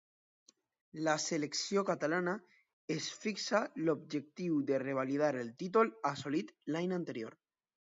La selecció catalana es fixà l'objectiu de revalidar el títol assolit l'any anterior.